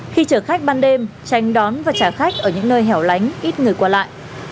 khi trở khách ban đêm tranh đón và trả khách ở những nơi hẻo lánh ít người qua lại